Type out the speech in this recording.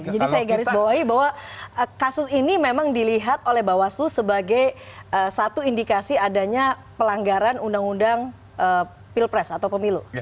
jadi saya garisbawahi bahwa kasus ini memang dilihat oleh bawaslu sebagai satu indikasi adanya pelanggaran undang undang pilpres atau pemilu